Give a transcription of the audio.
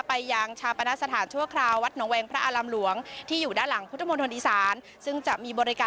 รายงานจากจังหวัดขอนแก่นค่ะ